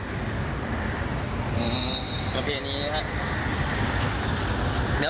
อืมประเพณีนะครับ